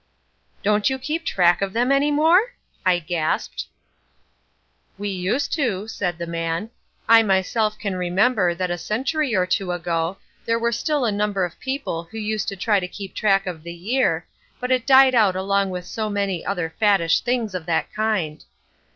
"Don't you keep track of them any more?" I gasped. "We used to," said the man. "I myself can remember that a century or two ago there were still a number of people who used to try to keep track of the year, but it died out along with so many other faddish things of that kind.